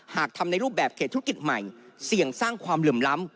หากทำในรูปแบบเขตธุรกิจใหม่เสี่ยงสร้างความเหลื่อมล้ำ